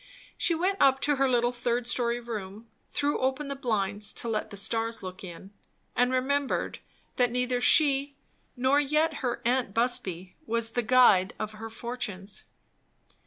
She went up to her little third story room, threw open the blinds, to let the stars look in, and remembered that neither she nor yet her aunt Busby was the guide of her fortunes.